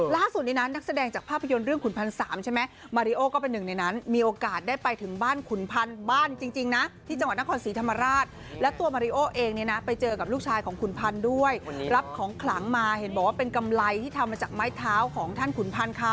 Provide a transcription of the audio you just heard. ล่าสุดในนั้นนักแสดงจากภาพยนตร์เรื่องขุนพันธ์๓ใช่ไหม